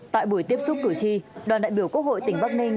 tại buổi tiếp xúc cử tri đoàn đại biểu quốc hội tỉnh bắc ninh